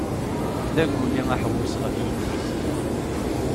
Tebda Guli aḥewwes ɣef yelli-s.